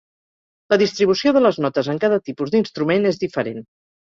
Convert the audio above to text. La distribució de les notes en cada tipus d'instrument és diferent.